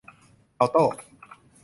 อัลโต้